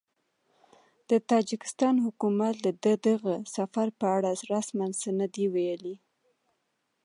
د تاجکستان حکومت لا د دغه سفر په اړه رسماً څه نه دي ویلي